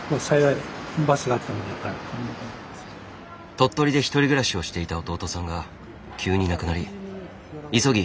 鳥取で１人暮らしをしていた弟さんが急に亡くなり急ぎ